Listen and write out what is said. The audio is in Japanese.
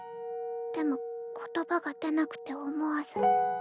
でも言葉が出なくて思わず。